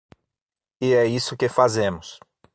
E é isso que fazemos.